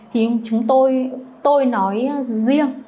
thì chúng tôi tôi nói riêng